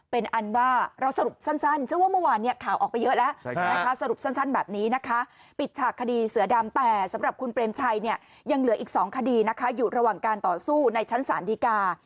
เป็นอันว่าเราสรุปสั้นเชื่อว่าเมื่อวานเนี่ยข่าวออกไปเยอะแล้วนะคะสรุปสั้นแบบนี้นะคะปิดฉากคดีเสือดำแต่สำหรับคุณเปรมชัยเนี่ยยังเหลืออีก๒คดีนะคะอยู่ระหว่างการต่อสู้ในชั้นศาลดีกา